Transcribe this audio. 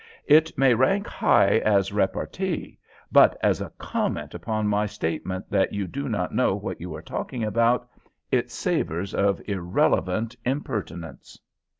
"It may rank high as repartee, but as a comment upon my statement that you do not know what you are talking about, it savors of irrelevant impertinence.